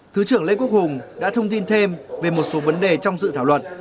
thượng lê quốc hùng đã thông tin thêm về một số vấn đề trong dự thảo luận